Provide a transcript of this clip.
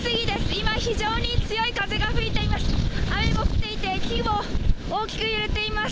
今、非常に強い風が吹いています。